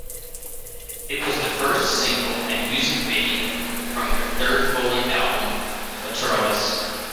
It was the first single and music video from their third full-length album, "Lateralus".